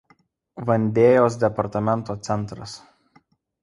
Vandėjos departamento centras.